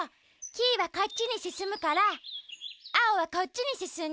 キイはこっちにすすむからアオはこっちにすすんで。